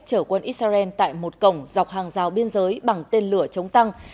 trở quân israel tại một cổng dọc hàng rào biên giới bằng tên lửa chống tăng